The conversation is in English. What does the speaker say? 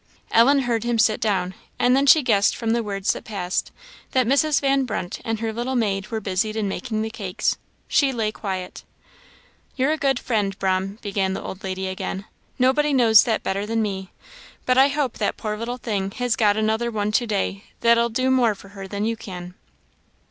Ellen heard him sit down, and then she guessed from the words that passed, that Mrs. Van Brunt and her little maid were busied in making the cakes; she lay quiet. "You're a good friend, 'Brahm," began the old lady again; "nobody knows that better than me; but I hope that poor little thing has got another one to day that'll do more for her than you can."